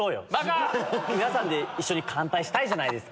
皆さんで一緒に乾杯したいじゃないですか。